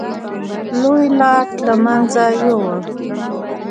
لوی لاټ له منځه یووړ.